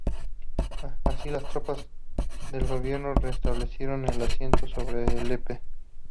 Así, las tropas del gobierno restablecieron el asedio sobre Alepo.